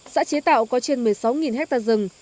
xã chế tạo có trên một mươi sáu hectare rừng